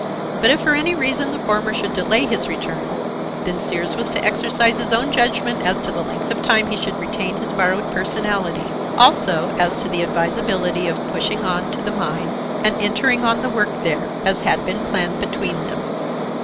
But if for any reason the former should delay his return, then Sears was to exercise his own judgment as to the length of time he should retain his borrowed personality; also as to the advisability of pushing on to the mine and entering on the work there, as had been planned between them.